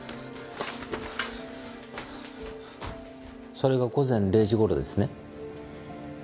それが午前０時頃ですね？